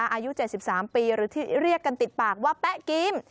อายุ๗๓ปีหรือที่เรียกกันติดปากว่าแป๊ะกิม